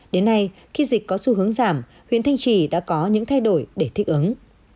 đến nay khi dịch có xu hướng giảm huyện thanh trì đã có những thay đổi để thích ứng